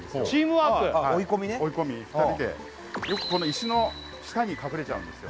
追い込みね追い込み２人でよくこの石の下に隠れちゃうんですよ